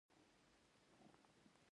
هندوکش د افغانستان یوه طبیعي ځانګړتیا ده.